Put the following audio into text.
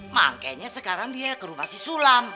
makanya sekarang dia ke rumah si sulam